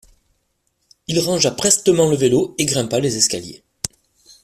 Il rangea prestement le vélo et grimpa les escaliers.